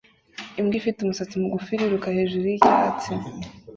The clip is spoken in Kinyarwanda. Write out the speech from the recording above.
Imbwa ifite umusatsi mugufi iriruka hejuru yicyatsi